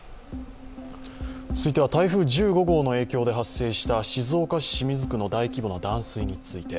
続いては台風１５号の影響で発生した静岡市清水区の大規模な断水について。